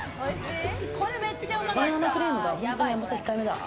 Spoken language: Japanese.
この生クリームが本当に甘さ控えめだ。